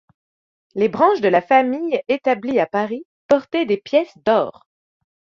Les branches de la famille établies à Paris portaient des pièces d'or.